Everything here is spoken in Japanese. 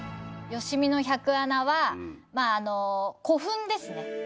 吉見の百穴はまああの古墳ですね。